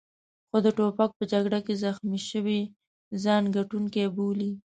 خو د توپک په جګړه کې زخمي شوي ځان ګټونکی بولي.